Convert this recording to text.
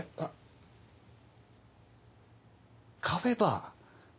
カフェバー。